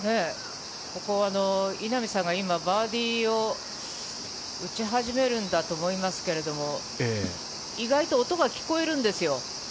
ここは稲見さんがバーディーを打ち始めるんだと思いますけど意外と音が聞こえるんですよ。